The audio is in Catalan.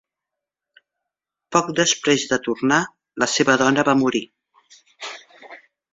Poc després de tornar, la seva dona va morir.